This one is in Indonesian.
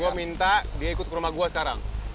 gue minta dia ikut ke rumah gue sekarang